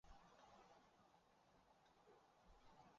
锚杆于转向架左右两侧的配置多为相对位置。